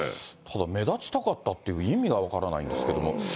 ただ、目立ちたかったっていう意味が分からないんですけども。